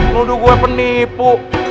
nuduh gua penipu